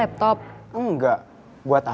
rooftop ndak sudah digunakan